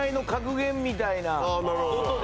なるほど。